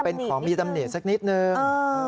เป็นของมีตำหนิสักนิดนึง